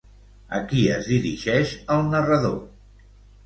A qui es dirigeix el narrador?